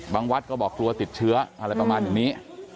วัดก็บอกกลัวติดเชื้ออะไรประมาณอย่างนี้